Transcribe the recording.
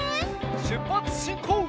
しゅっぱつしんこう！